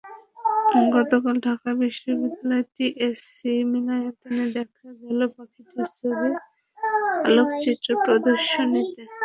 গতকাল ঢাকা বিশ্ববিদ্যালয়ের টিএসসি মিলনায়তনে দেখা গেল পাখিটির ছবি, আলোকচিত্র প্রদর্শনীতে।